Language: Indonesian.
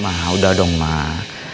mah udah dong mah